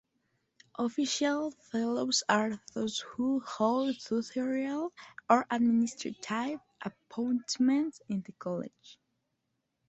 Official Fellows are those who hold tutorial or administrative appointments in the college.